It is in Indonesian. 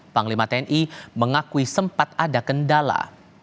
panglima tni mengakui sempat ada kendala